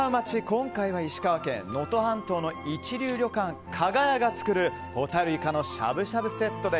今回は石川県能登半島の一流旅館加賀屋が作るほたるいかのしゃぶしゃぶセット。